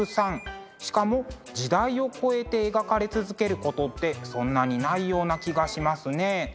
しかも時代を超えて描かれ続けることってそんなにないような気がしますね。